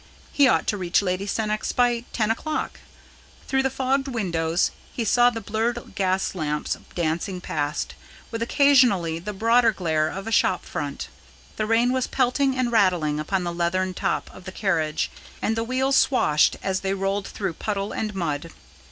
He ought to reach Lady Sannox by ten o'clock. Through the fogged windows he saw the blurred gas lamps dancing past, with occasionally the broader glare of a shop front. The rain was pelting and rattling upon the leathern top of the carriage, and the wheels swashed as they rolled through puddle and mud.